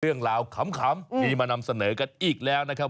เรื่องราวขำมีมานำเสนอกันอีกแล้วนะครับ